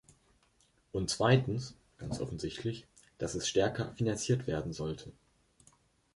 Und zweitens, ganz offensichtlich, dass es stärker finanziert werden sollte.